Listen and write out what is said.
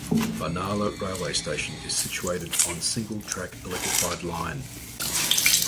Barnala railway station is situated on single track electrified line.